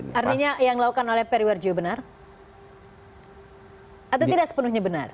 artinya yang dilakukan oleh perry warjio benar